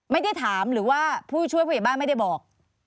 ไม่ได้ถามหรือว่าผู้ช่วยผู้ใหญ่บ้านไม่ได้บอก